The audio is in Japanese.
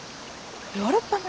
ヨーロッパ村？